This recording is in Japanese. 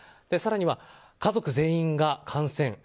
更には家族全員が感染。